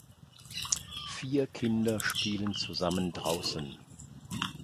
Vier Kinder spielen zusammen draußen.